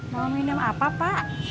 mau minum apa pak